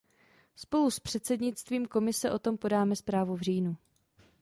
Spolu s předsednictvím Komise o tom podáme zprávu v říjnu.